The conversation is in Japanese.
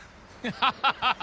ハハハハ！